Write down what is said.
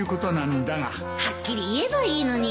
はっきり言えばいいのに